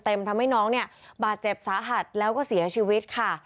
ทำให้น้องเนี่ยบาดเจ็บสาหัสแล้วก็เสียชีวิตค่ะ